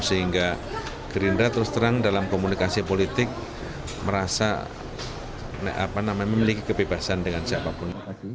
sehingga gerindra terus terang dalam komunikasi politik merasa memiliki kebebasan dengan siapapun